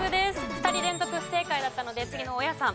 ２人連続不正解だったので次の大家さん